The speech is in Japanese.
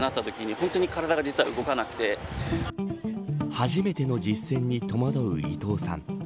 初めての実践に戸惑う伊藤さん。